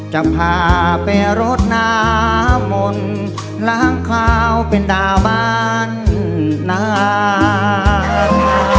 จะพาไปรดน้ำมนต์ล้างคาวเป็นดาวบ้านนาน